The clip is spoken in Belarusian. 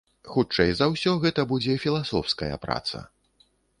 Хутчэй за ўсё, гэта будзе філасофская праца.